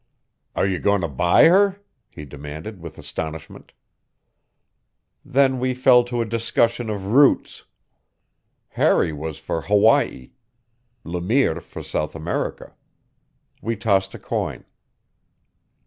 "Are you going to buy her?" he demanded with astonishment. Then we fell to a discussion of routes. Harry was for Hawaii; Le Mire for South America. We tossed a coin.